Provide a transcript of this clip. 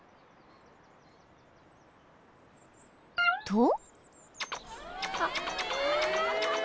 ［と］